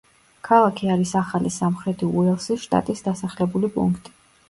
ქალაქი არის ახალი სამხრეთი უელსის შტატის დასახლებული პუნქტი.